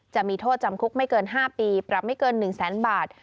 จะมีโทษจำคุกไม่เกิน๕ปีปรับไม่เกิน๑แสนบาท